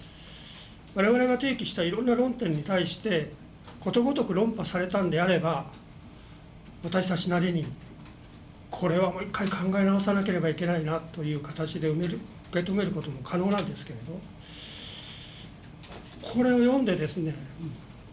我々が提起したいろんな論点に対してことごとく論破されたんであれば私たちなりにこれはもう一回考え直さなければいけないなという形で受け止めることも可能なんですけどもこれを読んでですね